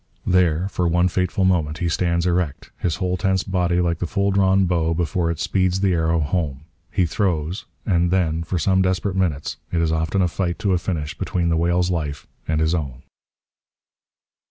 There, for one fateful moment, he stands erect, his whole tense body like the full drawn bow before it speeds the arrow home. He throws: and then, for some desperate minutes, it is often a fight to a finish between the whale's life and his own.